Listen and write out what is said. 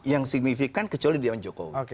yang signifikan kecuali dewan jokowi